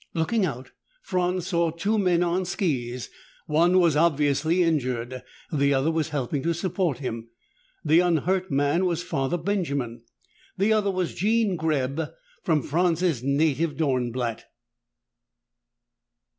Looking out, Franz saw two men on skis. One was obviously injured. The other was helping to support him. The unhurt man was Father Benjamin. The other was Jean Greb, from Franz's native Dornblatt.